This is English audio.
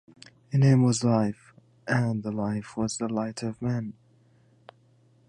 In him was life, and the life was the light of men.